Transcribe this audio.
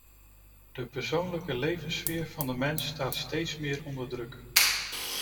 De persoonlijke levenssfeer van de mens staat steeds meer onder druk.